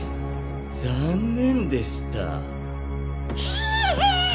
残念でしたぁ。